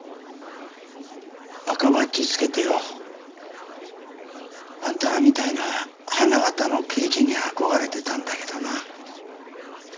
赤バッジつけてよあんたらみたいな花形の刑事に憧れてたんだけどな。